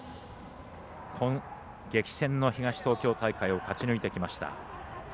激戦の東東京大会を勝ち上がってきました。